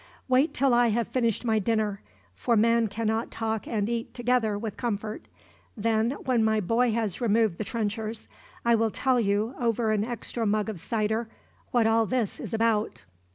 Wait till I have finished my dinner, for man cannot talk and eat together, with comfort. Then, when my boy has removed the trenchers, I will tell you, over an extra mug of cider, what all this is about."